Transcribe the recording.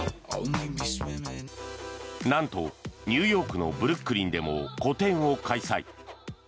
なんと、ニューヨークのブルックリンでも個展を開催。